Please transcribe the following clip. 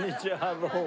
どうも。